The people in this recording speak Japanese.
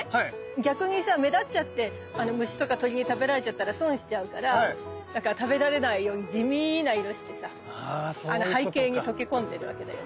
逆にさ目立っちゃって虫とか鳥に食べられちゃったら損しちゃうからだから食べられないように地味な色してさ背景に溶け込んでるわけだよね。